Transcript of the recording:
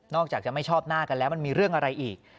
จากจะไม่ชอบหน้ากันแล้วมันมีเรื่องอะไรอีก